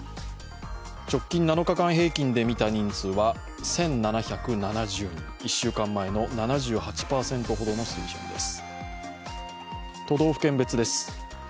直近７日間平均で見た人数は１７７０人１週間前の７８％ほどの水準です。